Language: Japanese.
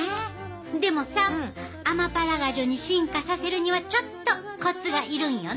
でもさアマパラガジュに進化させるにはちょっとコツがいるんよな。